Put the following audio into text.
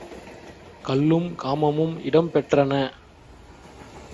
கள்ளும், காமமும் இடம் பெற்றன.